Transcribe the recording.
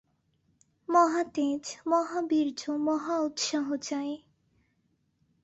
মহাতেজ, মহাবীর্য, মহা উৎসাহ চাই।